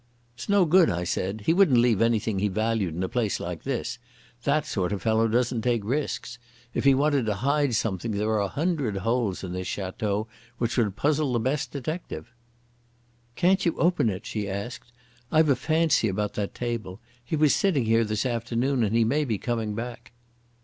"It's no good," I said. "He wouldn't leave anything he valued in a place like this. That sort of fellow doesn't take risks. If he wanted to hide something there are a hundred holes in this Château which would puzzle the best detective." "Can't you open it?" she asked. "I've a fancy about that table. He was sitting here this afternoon and he may be coming back."